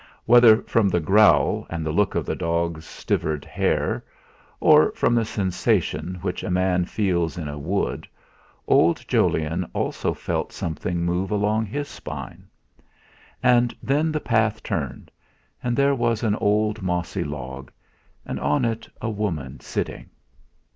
Whether from the growl and the look of the dog's stivered hair, or from the sensation which a man feels in a wood, old Jolyon also felt something move along his spine. And then the path turned, and there was an old mossy log, and on it a woman sitting.